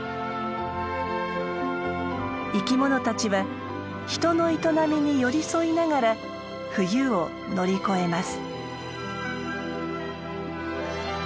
生きものたちは人の営みに寄り添いながら冬を乗り越えます。